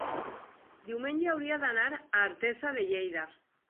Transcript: diumenge hauria d'anar a Artesa de Lleida.